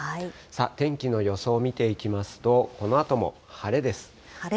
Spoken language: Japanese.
天気の予想を見ていきますと、このあとも晴れです。